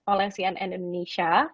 oleh cnn indonesia